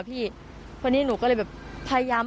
มีชายแปลกหน้า๓คนผ่านมาทำทีเป็นช่วยค่างทาง